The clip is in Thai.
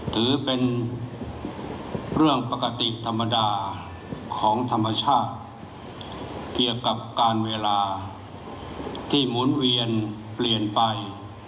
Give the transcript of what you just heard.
ถือเป็นเรื่องปกติธรรมดาของธรรมชาติเกี่ยวกับการเวลาที่หมุนเวียนเปลี่ยนไป